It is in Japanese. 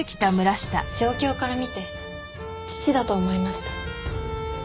状況から見て父だと思いました。